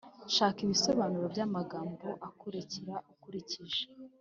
shaka ibisobanuro by’amagambo akurikira ukurikije